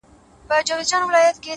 د هغه ورځي څه مي ـ